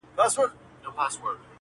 پرهار ته مي راغلي مرهمونه تښتوي-